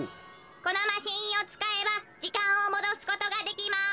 このマシーンをつかえばじかんをもどすことができます。